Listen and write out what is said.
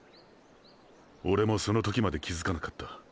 オレもその時まで気づかなかった。